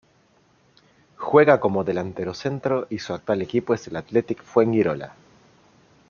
Juega como delantero centro y su actual equipo es el Athletic Fuengirola.